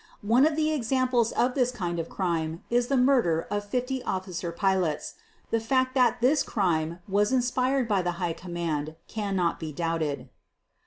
One of the examples of this kind of crime is the murder of 50 officer pilots. The fact that this crime was inspired by the High Command cannot be doubted.